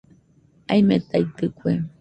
Aimetaitɨkue